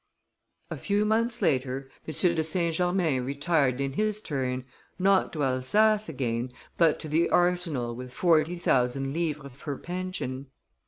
A few months later M. de St. Germain retired in his turn, not to Alsace again, but to the Arsenal with forty thousand livres for pension.